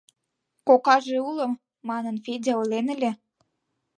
— Кокаже уло, манын Федя ойлен ыле.